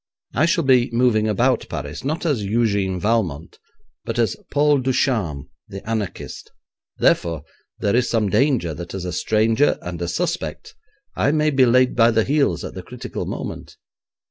I shall be moving about Paris, not as Eugène Valmont, but as Paul Ducharme, the anarchist; therefore, there is some danger that as a stranger and a suspect I may be laid by the heels at the critical moment.